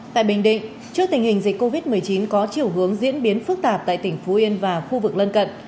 tại bình định trước tình hình dịch covid một mươi chín có chiều hướng diễn biến phức tạp tại tỉnh phú yên và khu vực lân cận